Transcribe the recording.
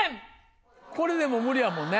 これでもう無理やもんね。